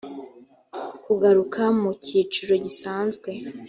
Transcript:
kugaruka mu cyiciro gisanzwe